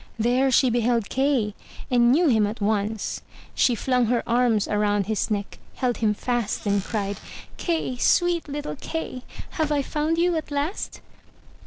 There she beheld Kay, and knew him at once. She flung her arms round his neck, held him fast and cried, "Kay, sweet Uttle Kay! Have I found you at last?"